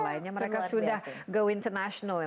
lainnya mereka sudah go international